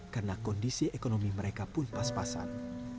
karena kondisi ekonomi mereka pun pas pasan